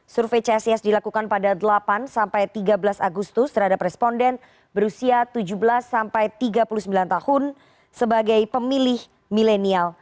survei csis dilakukan pada delapan tiga belas agustus terhadap responden berusia tujuh belas sampai tiga puluh sembilan tahun sebagai pemilih milenial